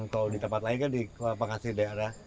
kalau di tempat lain kan di pekasi daerah